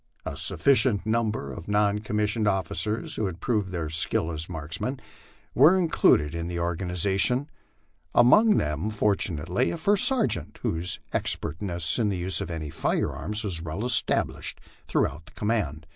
A sufficient number of non com missioned officers, who had proven their skill as marksmen, were included in the organization among them, fortunately, a first sergeant, whose expertness in the use of any firearm was well established throughout the command.